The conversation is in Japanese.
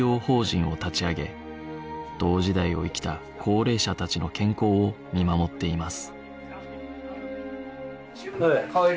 同時代を生きた高齢者たちの健康を見守っています